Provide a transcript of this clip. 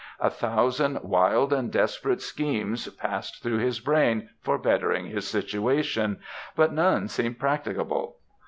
A thousand wild and desperate schemes passed through his brain for bettering his situation, but none seemed practicable.